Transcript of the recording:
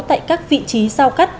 tại các vị trí sao cắt